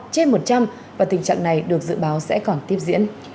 trên một trăm linh và tình trạng này được dự báo sẽ còn tiếp diễn